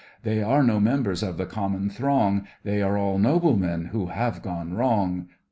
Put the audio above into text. They are no members of the common throng; They are all noblemen who have gone wrong.